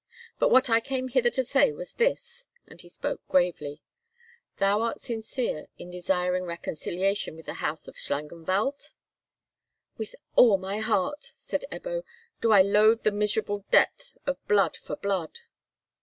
But what I came hither to say was this," and he spoke gravely: "thou art sincere in desiring reconciliation with the house of Schlangenwald?" "With all my heart," said Ebbo, "do I loathe the miserable debt of blood for blood!"